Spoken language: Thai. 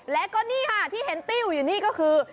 แล้วก็นี่ค่ะที่เห็นติ้วอยู่นี่ก็คือ